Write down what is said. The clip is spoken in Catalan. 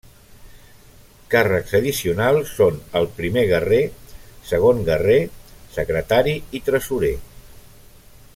Càrrecs addicionals són el Primer Guerrer, Segon Guerrer, Secretari i Tresorer.